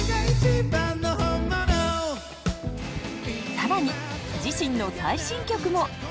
更に自身の最新曲も！